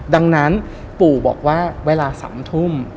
ดังนั้นปู่บอกว่าเวลา๓ทุ่ม